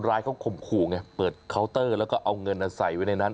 ร้ายเขาข่มขู่ไงเปิดเคาน์เตอร์แล้วก็เอาเงินใส่ไว้ในนั้น